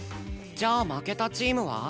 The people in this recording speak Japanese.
じゃあ負けたチームは？